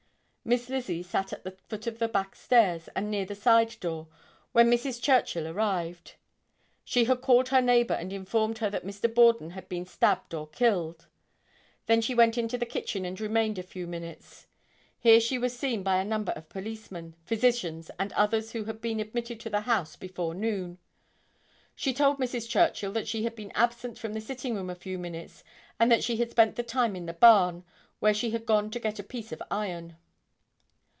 Miss Lizzie sat at the foot of the back stairs and near the side door, when Mrs. Churchill arrived. She had called her neighbor and informed her that Mr. Borden had been "stabbed or killed." Then she went into the kitchen and remained a few minutes. Here she was seen by a number of policemen, physicians and others who had been admitted to the house before noon. She told Mrs. Churchill that she had been absent from the sitting room a few minutes and that she spent the time in the barn, where she had gone to get a piece of iron.